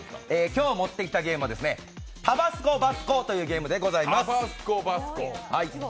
今日持ってきたゲームは「タバスコバスコ」というゲームでございます。